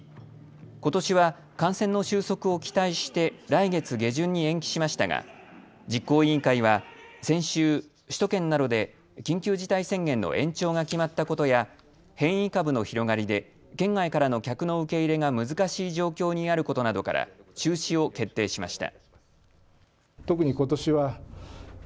ことしは感染の収束を期待して来月下旬に延期しましたが実行委員会は先週、首都圏などで緊急事態宣言の延長が決まったことや変異株の広がりで県外からの客の受け入れが難しい状況にあることなどから中止を決定しました。